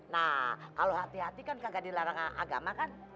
nah kalau hati hati kan kagak dilarang agama kan